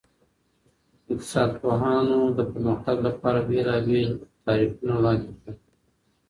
اقتصاد پوهانو د پرمختګ لپاره بېلابېل تعریفونه وړاندې کړل.